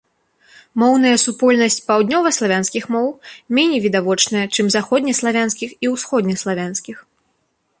Моўная супольнасць паўднёваславянскіх моў меней відавочная, чым заходнеславянскіх і ўсходнеславянскіх.